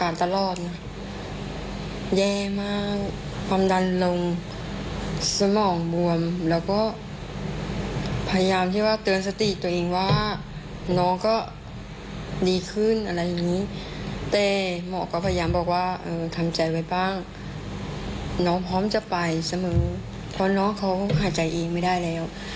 น้องพร้อมจะไปเสมอเพราะน้องเขาหายใจอีกไม่ได้แล้ว